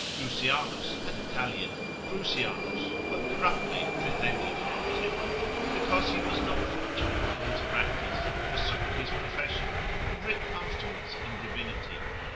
Drusianus an Italian (Crusianus, but corruptly, Trithemius calls him) because he was not fortunate in his practice, forsook his profession, and writ afterwards in divinity.